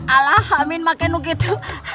alah amin makenuk itu